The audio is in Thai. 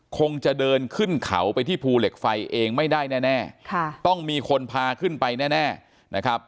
คงจะเดินขึ้นเขาไปที่ภูเหล็กไฟเองไม่ได้แน่ต้องมีคนพาขึ้นไปแน่นะครับ